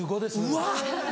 うわ！